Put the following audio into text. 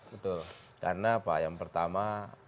betul karena pak yang pertama